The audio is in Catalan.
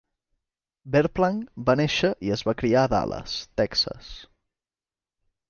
Verplank va néixer i es va criar a Dallas, Texas.